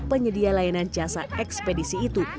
penyedia layanan jasa ekspedisi itu